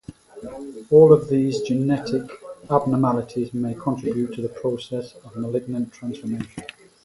All of these genetic abnormalities may contribute to the process of malignant transformation.